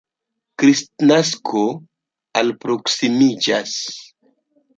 Kristnasko alproksimiĝas.